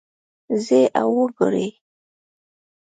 ځئ او وګورئ